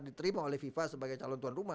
diterima oleh fifa sebagai calon tuan rumah